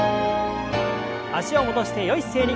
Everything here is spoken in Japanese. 脚を戻してよい姿勢に。